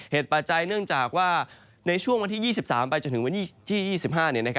ปัจจัยเนื่องจากว่าในช่วงวันที่๒๓ไปจนถึงวันที่๒๕